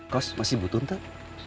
kos masih butuh teh